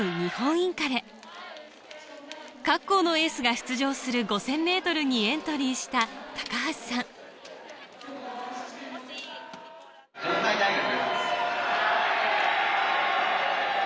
インカレ各校のエースが出場する５０００ｍにエントリーした橋さん城西大学。